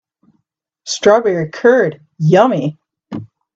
Strawberry curd, yummy!